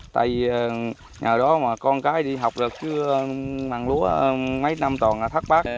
tại vì nhờ đó mà con cái đi học rồi chứ ăn lũ mấy năm toàn là thất bác